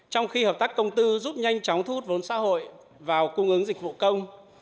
trong khi hợp tác công tư giúp nhanh chóng thu hút vốn xã hội vào cung ứng dịch vụ công